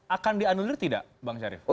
akan dianulir tidak bang syarif